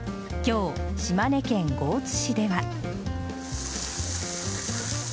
今日、島根県江津市では。